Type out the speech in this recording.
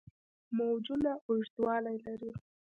موجونه اوږدوالي لري.